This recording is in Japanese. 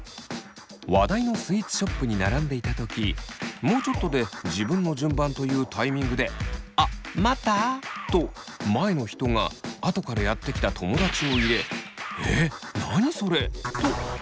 話題のスイーツショップに並んでいたときもうちょっとで自分の順番というタイミングであ「待った？」と前の人が後からやって来た友だちを入れ「えっ何それ」とイラっとした。